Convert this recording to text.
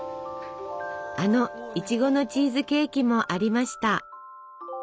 あのいちごのチーズケーキもありました！